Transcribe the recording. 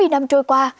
bốn mươi năm trôi qua